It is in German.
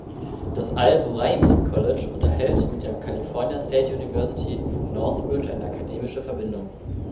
Das al-Buraimi College unterhält mit der California State University, Northridge eine akademische Verbindung.